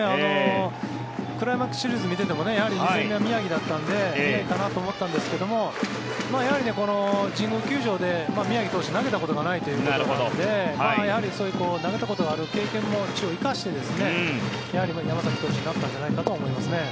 クライマックスシリーズを見ていてもやはり２戦目は宮城だったので宮城かなと思ったんですけどこの神宮球場で宮城投手、投げたことがないということなのでやはりそういう投げたことがある経験も一応、生かして山崎投手になったんじゃないかなと思いますね。